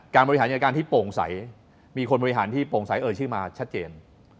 บริหารจัดการที่โปร่งใสมีคนบริหารที่โปร่งใสเอ่ยชื่อมาชัดเจน